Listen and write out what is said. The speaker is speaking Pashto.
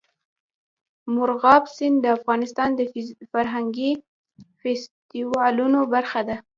مورغاب سیند د افغانستان د فرهنګي فستیوالونو برخه ده.